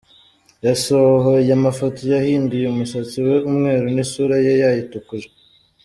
Yasohoye amafoto yahinduye umusatsi we umweru n’ isura ye yayitukuje.